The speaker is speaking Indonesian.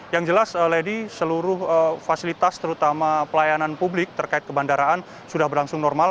yang jelas lady seluruh fasilitas terutama pelayanan publik terkait ke bandaraan sudah berlangsung normal